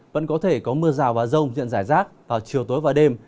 vẫn có thể có mưa rào và rông diện rải rác vào chiều tối và đêm